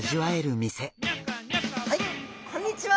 はいこんにちは。